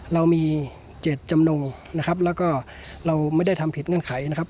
เรามีเจ็ดจำนงนะครับแล้วก็เราไม่ได้ทำผิดเงื่อนไขนะครับ